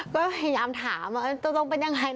ก็ล้อมถามตกลงเป็นยังไง